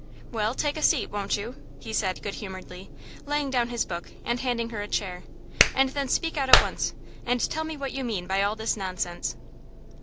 "Well, take a seat, won't you?" he said good humoredly, laying down his book and handing her a chair, "and then speak out at once, and tell me what you mean by all this nonsense."